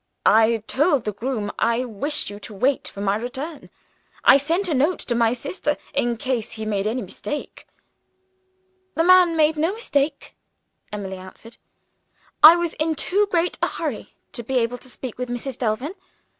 "I told the groom I wished you to wait for my return. I sent a note to my sister, in case he made any mistake." "The man made no mistake," Emily answered. "I was in too great a hurry to be able to speak with Mrs. Delvin.